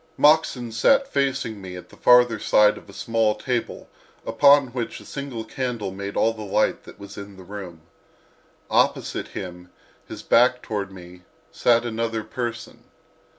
Moxon sat facing me at the farther side of a small table upon which a single candle made all the light that was in the room. Opposite him, his back toward me, sat another person.